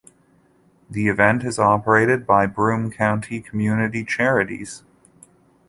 The event is operated by Broome County Community Charities.